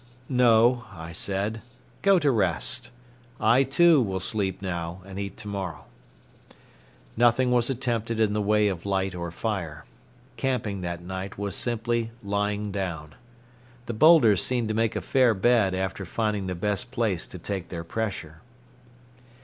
"No," I said, "go to rest. I, too, will sleep now and eat to morrow." Nothing was attempted in the way of light or fire. Camping that night was simply lying down. The boulders seemed to make a fair bed after finding the best place to take their pressure.